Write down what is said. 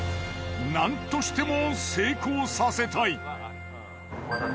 なんとしても成功させたい。